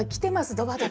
ドバドバ。